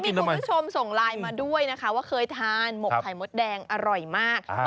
มีคุณผู้ชมส่งไลน์มาด้วยนะคะว่าเคยทานหมกไข่มดแดงอร่อยมาก